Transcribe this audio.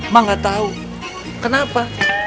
ma nggak tahu kenapa